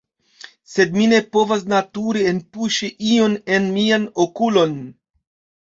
Sed mi ne povas nature enpuŝi ion en mian okulon